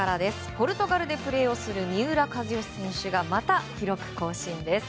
ポルトガルでプレーする三浦知良選手がまた記録更新です。